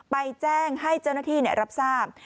ไปแจ้งให้เจ้าหน้าที่รับทราบ